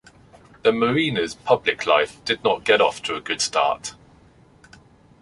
The Marina's public life did not get off to a good start.